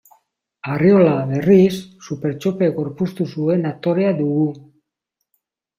Arriola, berriz, Supertxope gorpuztu zuen aktorea dugu.